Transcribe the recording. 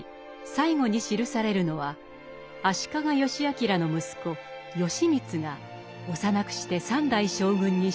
最後に記されるのは足利義詮の息子義満が幼くして三代将軍に就任。